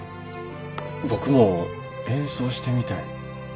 僕も演奏してみたい。